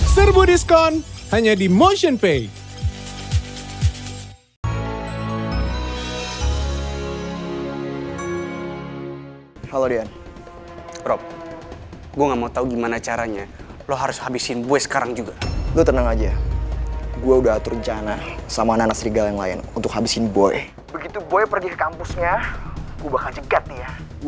serbu diskon hanya di motionpay